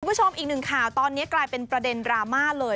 คุณผู้ชมอีกหนึ่งข่าวตอนนี้กลายเป็นประเด็นดราม่าเลย